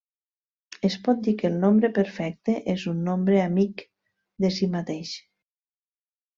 Es pot dir que el nombre perfecte és un nombre amic de si mateix.